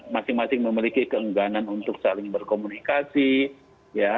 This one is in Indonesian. masing masing memiliki keengganan untuk saling berkomunikasi ya